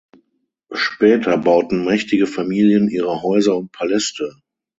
Später bauten mächtige Familien ihre Häuser und Paläste.